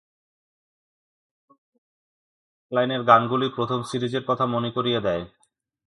বিদ্রূপাত্মক ও ব্যঙ্গাত্মক এক লাইনের গানগুলি প্রথম সিরিজের কথা মনে করিয়ে দেয়।